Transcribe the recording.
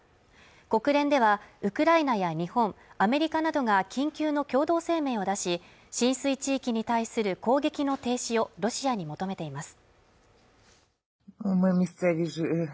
国連では、ウクライナや日本、アメリカなどが緊急の共同声明を出し、浸水地域に対する攻撃の停止をロシアに求めています。